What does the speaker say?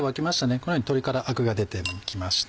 このように鶏からアクが出て来ました。